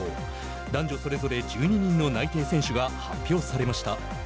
男女それぞれ１２人の内定選手が発表されました。